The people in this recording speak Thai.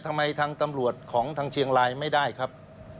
ทางตำรวจของทางเชียงรายไม่ได้ครับ